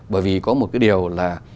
bởi vì có một cái điều là